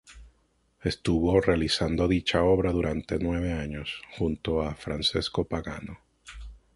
Estuvo realizando dicha obra durante nueve años, junto a Francesco Pagano.